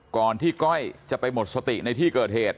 ก่อนที่ก้อยจะไปหมดสติในที่เกิดเหตุ